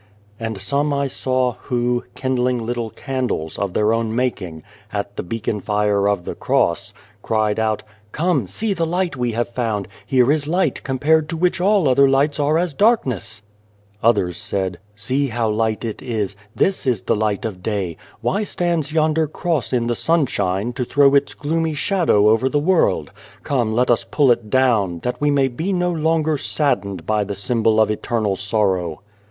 And some I saw who, kindling little candles, of their own making, at the beacon fire of the Cross, cried out, " Come, see the light we have found ! Here is light, compared to which all other lights are as darkness !" Others said :" See how light it is ! This is the light of day. Why stands yonder Cross 185 The Child, the Wise Man in the sunshine, to throw its gloomy shadow over the world? Come let us pull it down, that we may be no longer saddened by the symbol of eternal sorrow."